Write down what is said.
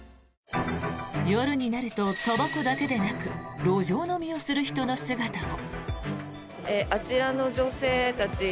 夜になるとたばこだけでなく路上飲みをする人の姿も。